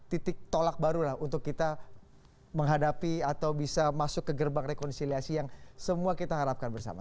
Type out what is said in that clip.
titik tolak baru lah untuk kita menghadapi atau bisa masuk ke gerbang rekonsiliasi yang semua kita harapkan bersama